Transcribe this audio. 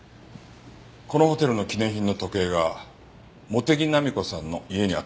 このホテルの記念品の時計が茂手木浪子さんの家にあったんですが。